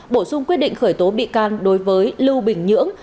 bổ sung quyết định khởi tố bị can đối với lưu bình nhưỡng